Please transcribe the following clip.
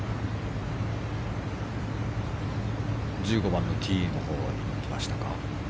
１５番のティーのほうに行きましたか。